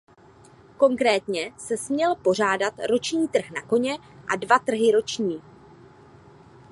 Konkrétně se směl pořádat roční trh na koně a dva trhy roční.